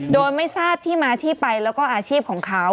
โดยไม่ทราบที่มาที่ไปแล้วก็อาชีพของเขา